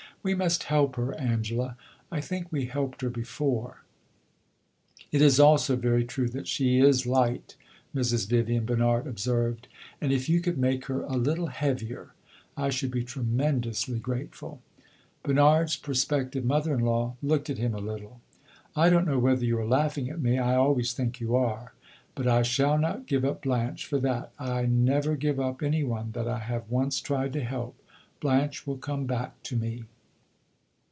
We must help her, Angela. I think we helped her before." "It is also very true that she is light, Mrs. Vivian," Bernard observed, "and if you could make her a little heavier, I should be tremendously grateful." Bernard's prospective mother in law looked at him a little. "I don't know whether you are laughing at me I always think you are. But I shall not give up Blanche for that. I never give up any one that I have once tried to help. Blanche will come back to me."